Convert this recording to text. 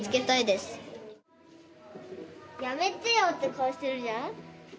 やめてよって顔してるじゃん。